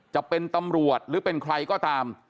จะเป็นตำรวจหรือเป็นใครก็ตาม